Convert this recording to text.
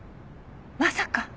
まさか！